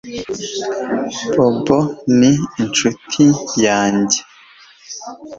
bob ni inshuti yanjye